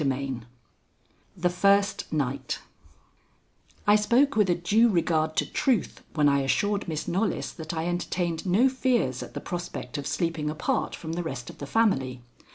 VII THE FIRST NIGHT I spoke with a due regard to truth when I assured Miss Knollys that I entertained no fears at the prospect of sleeping apart from the rest of the family.